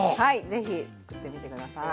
ぜひ作ってみて下さい。